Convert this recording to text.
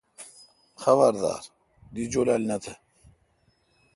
خبردار۔ دی جولال نہ تہ۔